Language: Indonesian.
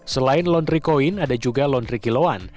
selain laundry coin ada juga laundry kiloan